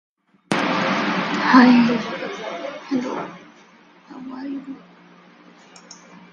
The re-illumination of the city came with startling abruptness.